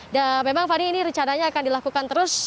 dan memang fani ini rencananya akan dilakukan terus